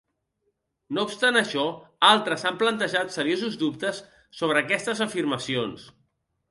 No obstant això, altres han plantejat seriosos dubtes sobre aquestes afirmacions.